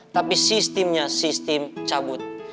tapi sistemnya sistem cabut